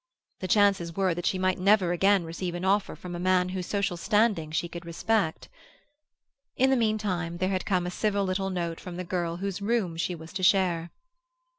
The chances were that she might never again receive an offer from a man whose social standing she could respect. In the meantime there had come a civil little note from the girl whose rooms she was to share.